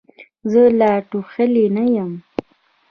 زه لا ټوخلې نه یم.